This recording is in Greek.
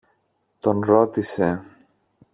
τον ρώτησε.